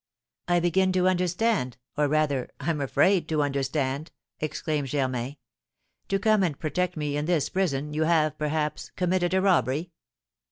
'" "I begin to understand, or, rather, I'm afraid to understand," exclaimed Germain. "To come and protect me in this prison you have, perhaps, committed a robbery?